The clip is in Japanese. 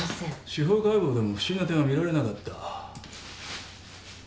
司法解剖でも不審な点は見られなかった。